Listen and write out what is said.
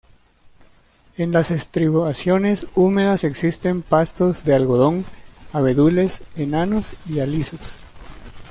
En las estribaciones húmedas existen pastos de algodón, abedules enanos y alisos.